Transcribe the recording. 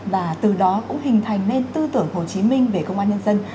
và từ đó cũng hình thành nên tư tưởng hồ chí minh về công an nhân dân